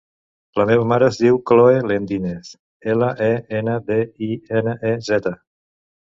La meva mare es diu Khloe Lendinez: ela, e, ena, de, i, ena, e, zeta.